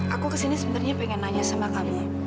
aku kesini sebenernya pengen nanya sama kamu